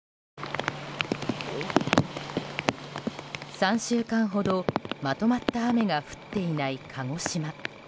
３週間ほど、まとまった雨が降っていない鹿児島。